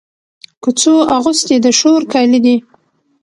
کوڅو اغوستي د شور کالي دی